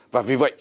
và vì vậy